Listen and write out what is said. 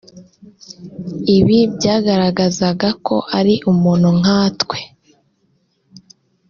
ibi byagaragazaga ko ari umuntu nkatwe